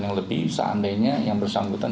yang lebih seandainya yang bersangkutan